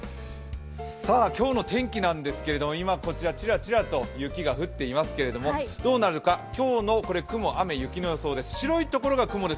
今日の天気なんですけど、今こちらチラチラと雪が降っていますが、どうなるか、今日の雲、雨、雪の予想です。